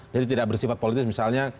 jadi tidak bersifat politis misalnya